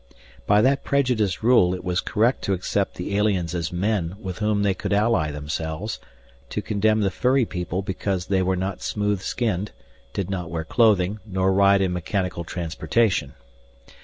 By that prejudiced rule it was correct to accept the aliens as "men" with whom they could ally themselves, to condemn the furry people because they were not smooth skinned, did not wear clothing, nor ride in mechanical transportation.